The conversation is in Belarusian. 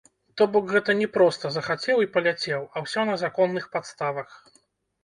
То бок, гэта не проста, захацеў і паляцеў, а ўсё на законных падставах.